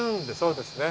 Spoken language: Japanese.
そうですね。